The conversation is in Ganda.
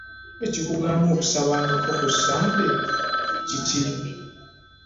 Ekikugaana okusabangako ku Ssande kiki?